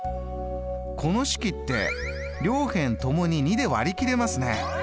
この式って両辺ともに２で割り切れますね。